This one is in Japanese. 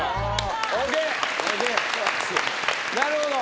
なるほど。